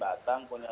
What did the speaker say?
bupaten batang punya